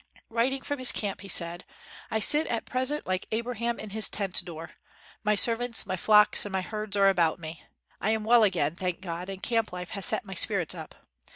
Writing from this camp, he said: "I sit at present like Abraham in his tent door. My servants, my flocks, and my herds are about me. I am well again, thank God, and camp life has set my spirits up.